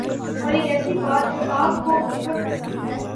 اور ایک ایسی بات جو آپ کو بہت پسند ہے